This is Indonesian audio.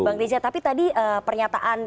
bang reza tapi tadi pernyataan